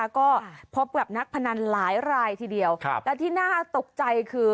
ก็พบกับนักพนันหลายรายทีเดียวและที่น่าตกใจคือ